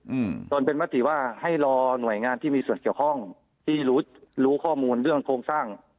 อืมจนเป็นมติว่าให้รอหน่วยงานที่มีส่วนเกี่ยวข้องที่รู้รู้ข้อมูลเรื่องโครงสร้าง